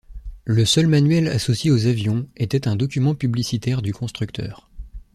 Le seul manuel associé aux avions était un document publicitaire du constructeur.